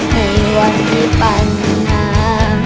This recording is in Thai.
ในวันที่ปั่นหน้า